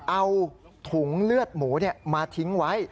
เอาถุงเลือดหมูมาทิ้งไว้